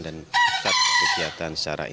dan pusat kegiatan